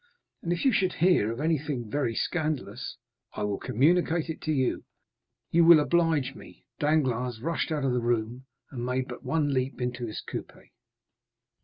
30259m "And if you should hear of anything very scandalous——" "I will communicate it to you." "You will oblige me." Danglars rushed out of the room, and made but one leap into his coupé.